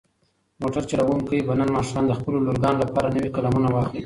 موټر چلونکی به نن ماښام د خپلو لورګانو لپاره نوې قلمونه واخلي.